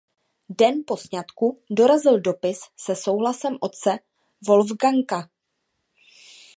Den po sňatku dorazil dopis se souhlasem otce Wolfganga.